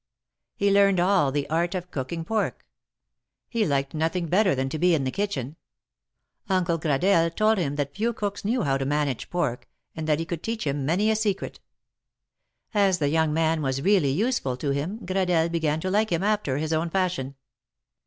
lie learned all the art of cooking pork ; he liked nothing better tlian to be in the kitchen. Uncle Gradelle told him that few cooks knew how to manage pork, and that lie could teach him many a secret. As the young man Avas really useful to him, Gradelle began to like him after his own fashion.